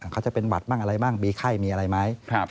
เขาจะเป็นหวัดบิไข้มีอะไรไหม